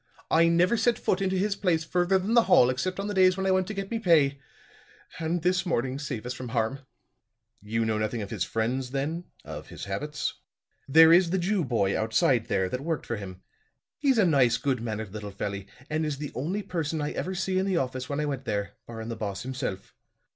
"I never set foot into his place further than the hall except on the days when I went to get me pay and this morning, save us from harm!" "You know nothing of his friends then of his habits?" "There is the Jew boy, outside there, that worked for him. He's a nice, good mannered little felly, and is the only person I ever see in the office when I went there, barrin' the boss himself.